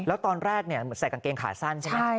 แล้วตอนแรกใส่กางเกงขาสั้นใช่ไหม